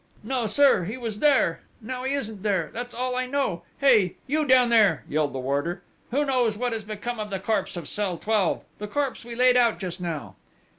"No, sir. He was there ... now he isn't there! That's all I know!... Hey! You down there!" yelled the warder: "Who knows what has become of the corpse of cell 12?... The corpse we laid out just now?"